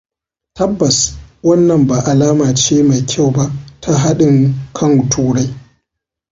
"Tabbas, wannan ba alama ce mai kyau ba ta hadin kan Turai. """